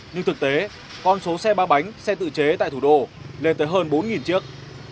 nhưng thực tế con số xe ba bánh xe tự chế tại thủ đô lên tới hơn bốn chiếc